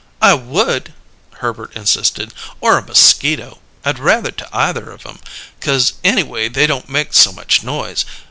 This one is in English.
"I would!" Herbert insisted. "Or a mosquito. I'd rather, to either of 'em, 'cause anyway they don't make so much noise.